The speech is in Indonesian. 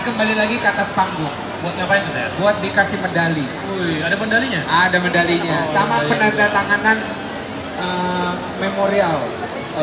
kembali lagi katas panggung buat bikas smiling tiga dan mendalinya sama pendatangan dan settlements